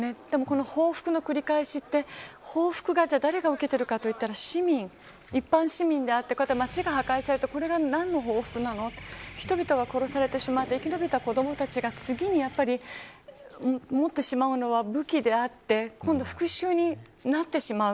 報復の繰り返しで誰がこれを受けているかというと一般市民であって町が破壊されてこれが何の報復なのか人々が殺されて生き延びた子どもたちが次に持ってしまうのは武器であって今度は復讐になってしまう。